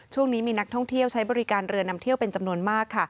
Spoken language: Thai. ช่วงนี้มีนักท่องเที่ยวใช้บริการเรือนำเที่ยวเป็นจำนวนมาก